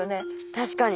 確かに。